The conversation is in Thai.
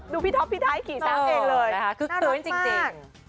ดูพี่ท็อปพี่ท้ายขี่ช้างเองเลยน่ารักมาก